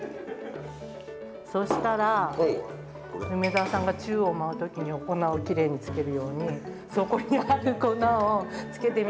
そしたら梅沢さんが宙を舞う時にお粉をきれいにつけるようにそこにある粉をつけてみて下さい。